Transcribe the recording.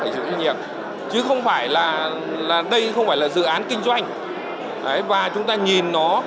ở dự nghiệp chứ không phải là đây không phải là dự án kinh doanh và chúng ta nhìn nó